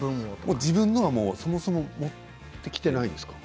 自分のものはそもそも持ってきていないんですか？